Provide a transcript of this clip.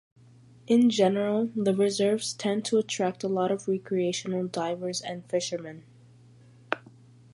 In general, the reserves tend to attract a lot of recreational divers and fishermen.